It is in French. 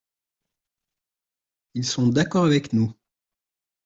Ils sont d’accord avec nous.